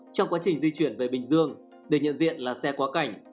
trong quá trình di chuyển về bình dương để nhận diện là xe quá cảnh